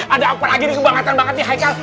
ada apa lagi nih kebangatan banget nih haikal